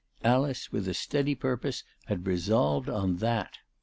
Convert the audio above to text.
Alice, with a steady purpose, had resolved on that.